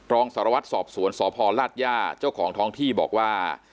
รองสารวัตรสอบสวนสพลาดย่าเจ้าของท้องที่บอกว่า